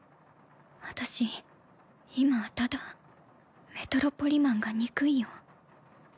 私今はただメトロポリマンが憎いよ